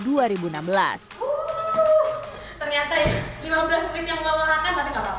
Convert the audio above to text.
wuuu ternyata ya lima belas menit yang meluarkan tapi gak apa apa